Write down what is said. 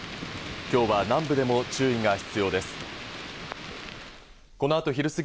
今日は南部でも注意が必要です。